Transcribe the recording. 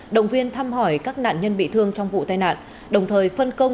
động viên thăm hỏi các nạn nhân bị thương trong vụ tai nạn